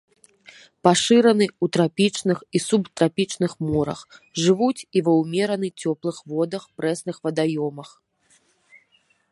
Пашыраны ў трапічных і субтрапічных морах, жывуць і ва ўмерана цёплых водах, прэсных вадаёмах.